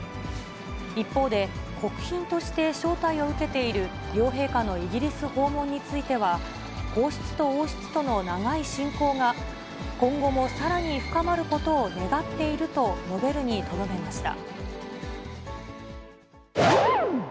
一方で、国賓として招待を受けている両陛下のイギリス訪問については、皇室と王室との長い親交が、今後もさらに深まることを願っていると述べるにとどめました。